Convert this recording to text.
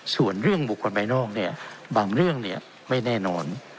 ส่วนเรื่องบุคคลภายนอกเนี่ยบางเรื่องเนี่ยไม่แน่นอน